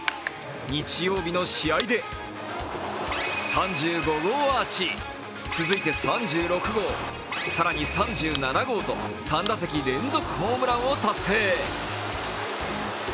日曜日の試合で３５号アーチ、続いて３６号、更に３７号と３打席連続ホームランを達成。